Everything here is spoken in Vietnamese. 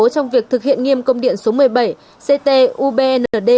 trong việc thực hiện nghiêm công điện số một mươi bảy ct ubnd